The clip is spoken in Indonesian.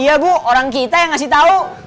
iya bu orang kita yang ngasih tahu